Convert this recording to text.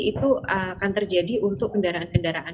itu akan terjadi untuk pendaraan pendaraan